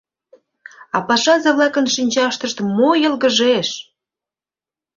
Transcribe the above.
А пашазе-влакын шинчаштышт мо йылгыжеш!